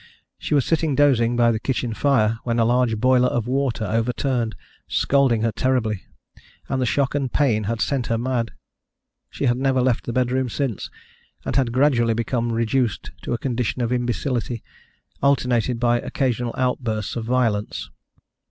She was sitting dozing by the kitchen fire when a large boiler of water overturned, scalding her terribly, and the shock and pain had sent her mad. She had never left the bedroom since, and had gradually become reduced to a condition of imbecility, alternated by occasional outbursts of violence.